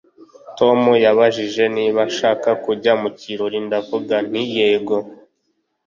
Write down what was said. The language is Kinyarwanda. Tom yabajije niba nshaka kujya mu kirori ndavuga nti yego